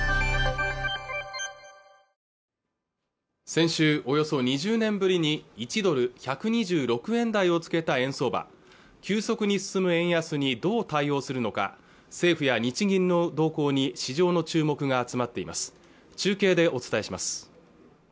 先週およそ２０年ぶりに１ドル＝１２６円台をつけた円相場急速に進む円安にどう対応するのか政府や日銀の動向に市場の注目が集まっています中継でお伝えします